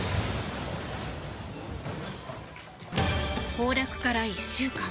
崩落から１週間。